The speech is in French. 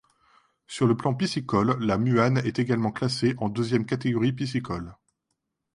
Sur le plan piscicole, la Muanne est également classée en deuxième catégorie piscicole.